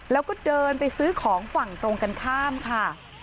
แล้วก็เดินไปซื้อของฝั่งตรงกันข้ามค่ะ